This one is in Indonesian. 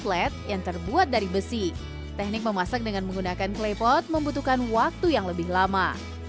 klet yang terbuat dari besi teknik memasak dengan menggunakan klepot membutuhkan waktu yang lebih lama